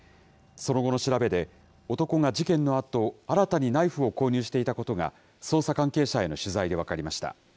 その後の調べで、男が事件のあと、新たにナイフを購入していたことが、捜査関係者への取材で分かりました。